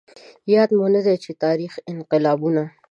ياد مو نه دي د تاريخ انقلابونه